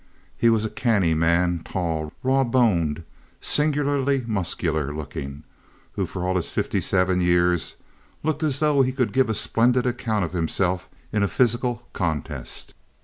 He was a canny man, tall, raw boned, singularly muscular looking, who for all his fifty seven years looked as though he could give a splendid account of himself in a physical contest.